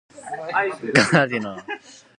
Gardiner married twice.